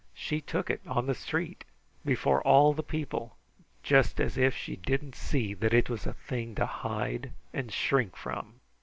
She took it on the street, before all the people, just as if she didn't see that it was a thing to hide and shrink from.